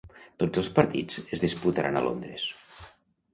Tots els partits es disputaran a Londres.